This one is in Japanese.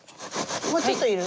もうちょっといる？